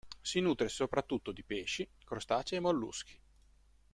Si nutre soprattutto di pesci, crostacei e molluschi.